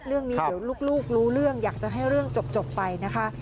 เรื่องนี้เดี๋ยวลูกรู้เรื่องอยากจะให้เรื่องจบไปนะคะ